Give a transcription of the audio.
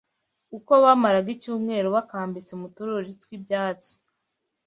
uko bamaraga icyumweru bakambitse mu tururi tw’ibyatsi